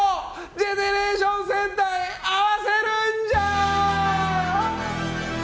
ジェネレーション戦隊合わせルンジャー！